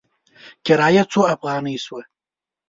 کرایه څو افغانې شوه؟